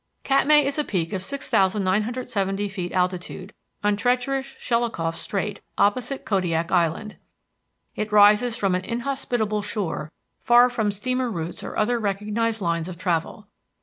Katmai is a peak of 6,970 feet altitude, on treacherous Shelikof Strait, opposite Kodiak Island. It rises from an inhospitable shore far from steamer routes or other recognized lines of travel.